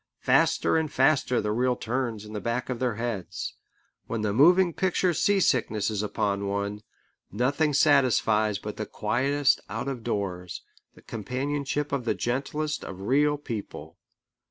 Faster and faster the reel turns in the back of their heads. When the moving picture sea sickness is upon one, nothing satisfies but the quietest out of doors, the companionship of the gentlest of real people.